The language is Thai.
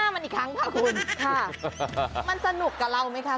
มันสนุกกับเรามั้ยคะครับ